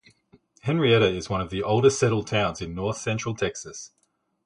Henrietta is one of the oldest settled towns in north central Texas.